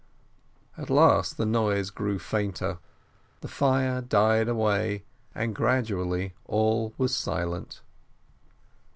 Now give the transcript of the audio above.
At last the noise grew fainter, the fire died away, and gradually all was silent.